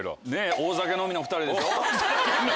大酒飲みの２人で。